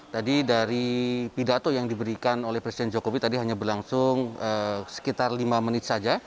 tadi dari pidato yang diberikan oleh presiden jokowi tadi hanya berlangsung sekitar lima menit saja